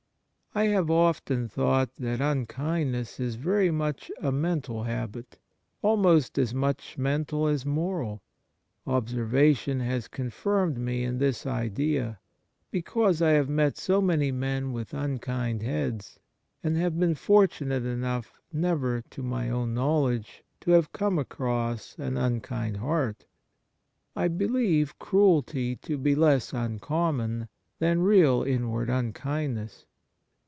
Kind Words 73 I have often thought that unkindness is very much a mental habit, almost as much mental as moral ; observation has confirmed me in this idea, because I have met so many men with unkind heads, and have been fortunate enough never to my know ledge to have come across an unkind heart. I believe cruelty to be less uncommon than real inward unkindness.